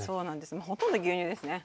もうほとんど牛乳ですね。